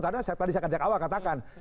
karena tadi saya kajak awal katakan